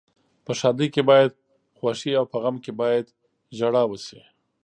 په ښادۍ کې باید خوښي او په غم کې باید ژاړا وشي.